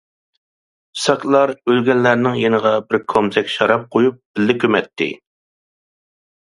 ساكلار ئۆلگەنلەرنىڭ يېنىغا بىر كومزەك شاراب قويۇپ بىللە كۆمەتتى.